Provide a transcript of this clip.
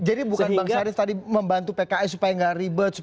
jadi bukan bang saris tadi membantu pks supaya tidak ribet